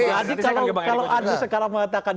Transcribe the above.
jadi kalau andre sekarang mengatakan